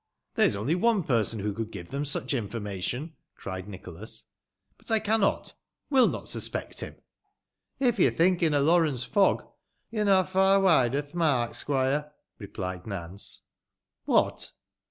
" There is only one person who could give them such Informa tion," cried Nicholas ;" but I cannot, wül not suspect him." " If yo're thinkin* o' Lawrence Fogg, yo're na far wide o' th' mark, squoire," replied Nance. " What